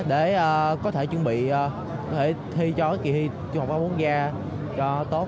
để có thể chuẩn bị có thể thi cho cái kỳ thi trường học ba bốn gia cho tốt